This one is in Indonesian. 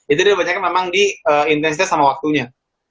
itu dia bacakan memang di intensitas sama waktunya